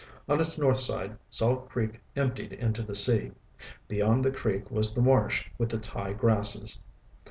On its north side, Salt Creek emptied into the sea. Beyond the creek was the marsh with its high grasses.